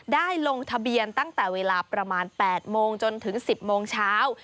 ลงทะเบียนตั้งแต่เวลาประมาณ๘โมงจนถึง๑๐โมงเช้า